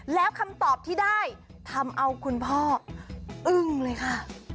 แล้วคำตอบที่ได้ทำเอาคุณพ่ออึ้งเลยค่ะ